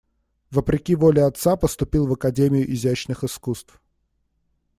Вопреки воле отца поступил в академию изящных искусств.